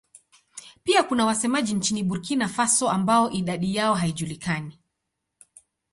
Pia kuna wasemaji nchini Burkina Faso ambao idadi yao haijulikani.